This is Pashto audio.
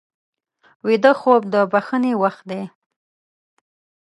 ویده خوب د بښنې وخت دی